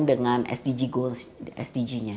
dengan sdg goals sdg nya